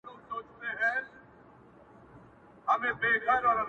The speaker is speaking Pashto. كلي كي ملا غــواړم چـــــي تــــا غـــــــــواړم”